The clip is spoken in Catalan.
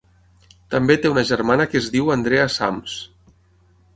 També té una germana que es diu Andrea Sams.